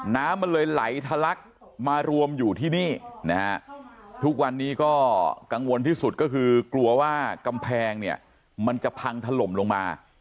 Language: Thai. น้ำมันเลยไหลทะลักมารวมอยู่ที่นี่นะฮะทุกวันนี้ก็กังวลที่สุดก็คือกลัวว่ากำแพงเนี่ยมันจะพังถล่มลงมา